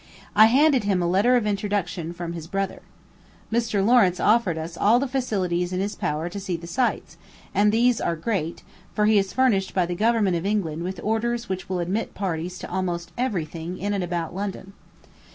I handed him a letter of introduction from his brother. Mr. Lawrence offered us all the facilities in his power to see the sights, and these are great, for he is furnished by the government of England with orders which will admit parties to almost every thing in and about London.